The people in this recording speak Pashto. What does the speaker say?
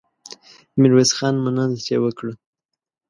ميرويس خان مننه ترې وکړه.